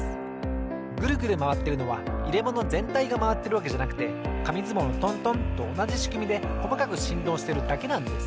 グルグルまわってるのはいれものぜんたいがまわってるわけじゃなくてかみずもうのトントンとおなじしくみでこまかくしんどうしてるだけなんです。